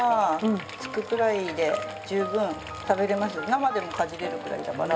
生でもかじれるぐらいだから。